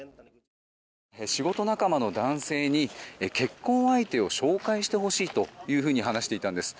仕事仲間の男性に結婚相手を紹介してほしいというふうに話していたんです。